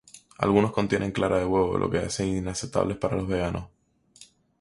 Algunos contienen clara de huevo, lo que los hace inaceptables para los veganos.